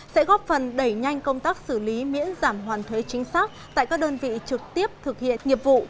sẽ góp phần đẩy nhanh công tác xử lý miễn giảm hoàn thuế chính xác tại các đơn vị trực tiếp thực hiện nghiệp vụ